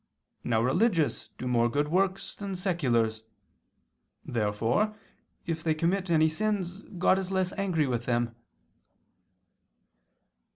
Now religious do more good works than seculars. Therefore if they commit any sins, God is less angry with them.